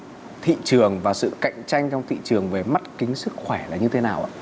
cái thị trường và sự cạnh tranh trong thị trường về mắt kính sức khỏe là như thế nào ạ